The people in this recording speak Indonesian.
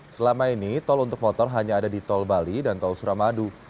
selama ini tol untuk motor hanya ada di tol bali dan tol suramadu